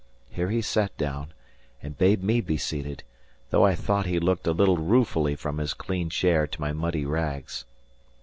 Here he sate down, and bade me be seated; though I thought he looked a little ruefully from his clean chair to my muddy rags.